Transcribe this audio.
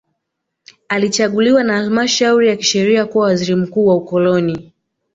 Alichaguliwa na halmashauri ya kisheria kuwa waziri mkuu wa ukoloni